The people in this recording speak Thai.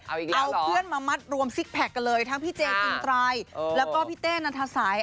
เอาเพื่อนมามัดรวมซิกแพคกันเลยทั้งพี่เจจินไตรแล้วก็พี่เต้นันทสัย